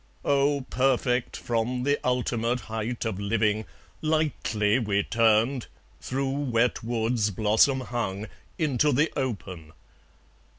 Oh, perfect from the ultimate height of living, Lightly we turned, through wet woods blossom hung, Into the open.